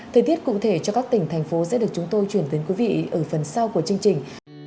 thời tiết cụ thể cho các tỉnh thành phố sẽ được chúng tôi chuyển tới quý vị ở phần sau của chương trình